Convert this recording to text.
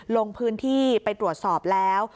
ลงพื้นที่ไปตรวจสอบแล้ว